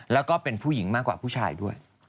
แล้วก็เป็นผู้หญิงมากกว่าผู้ชายด้วย